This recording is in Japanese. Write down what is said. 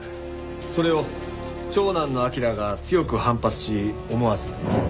それを長男の明良が強く反発し思わず。